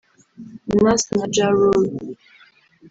Nas na Ja Rule